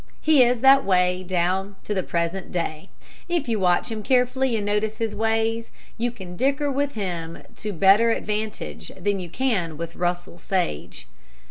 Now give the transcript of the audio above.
He is that way down to the present day. If you watch him carefully and notice his ways, you can dicker with him to better advantage than you can with Russell Sage.